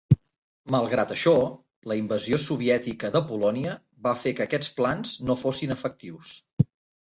Malgrat això, la invasió soviètica de Polònia va fer que aquests plans no fossin efectius.